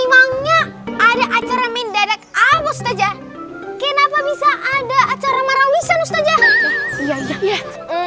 memangnya ada acara mendadak apa stajah kenapa bisa ada acara marawisan stajah